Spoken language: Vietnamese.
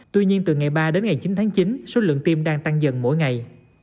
tuy nhiên từ ngày ba đến ngày chín tháng chín số lượng tiêm đang tăng dần mỗi ngày